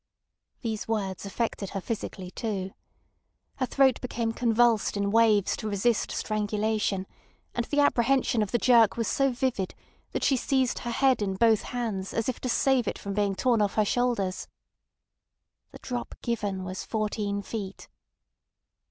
These words affected her physically too. Her throat became convulsed in waves to resist strangulation; and the apprehension of the jerk was so vivid that she seized her head in both hands as if to save it from being torn off her shoulders. "The drop given was fourteen feet."